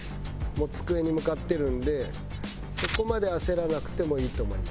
もう机に向かってるんでそこまで焦らなくてもいいと思います。